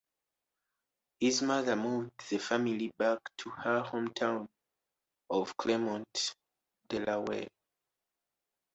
His mother moved the family back to her hometown of Claymont, Delaware.